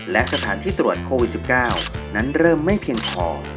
และสถานที่ตรวจโควิด๑๙นั้นเริ่มไม่เพียงพอ